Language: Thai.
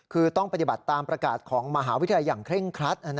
คือต้องปฏิบัติตามประกาศของมหาวิทยาลัยอย่างเคร่งครัด